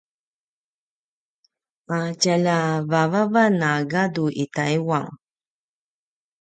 a tjalja vavavan a gadu i Taiwan